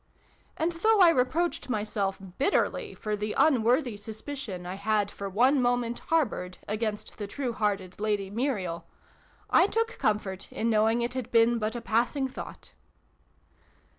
And, though I re proached myself, bitterly, for the unworthy sus picion I had for one moment harboured against the true hearted Lady Muriel, I took comfort in knowing it had been but a passing thought.